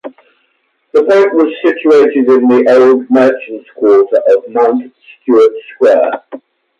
The Point was situated in the old merchant's quarter of Mount Stuart Square.